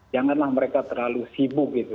janganlah mereka terlalu sibuk gitu